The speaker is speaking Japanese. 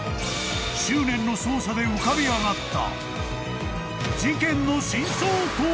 ［執念の捜査で浮かび上がった］